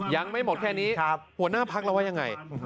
ยังไม่หมดแค่นี้หัวหน้าพักเราว่ายังไง